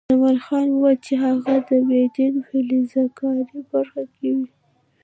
جمال خان وویل چې هغه د معدن په فلزکاري برخه کې وي